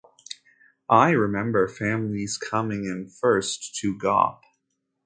I remember families coming in first to "gawp"...